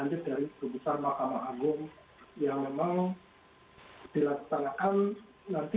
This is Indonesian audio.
ini bisa dikomentasi ke mahkamah agung lah terkait dengan bagaimana pemerintah sebetulnya juga berhati hati